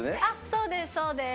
そうですそうです。